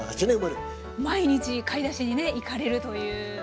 毎日買い出しにね行かれるという。